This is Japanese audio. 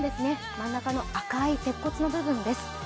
真ん中の赤い鉄骨の部分です。